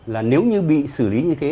là nếu như bị xử lý như thế